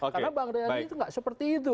karena bang sandi itu tidak seperti itu